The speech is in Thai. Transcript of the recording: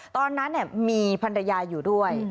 ตอนนั้นเนี่ยมีพันรยาอยู่ด้วย